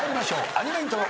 アニメイントロ。